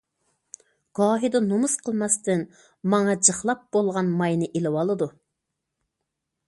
گاھىدا نومۇس قىلماستىن ماڭا جىقلاپ بولغان ماينى ئېلىۋالىدۇ.